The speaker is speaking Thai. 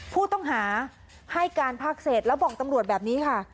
ผู้ต้องหาให้การภาคเศษแล้วบอกตำรวจแบบนี้ค่ะ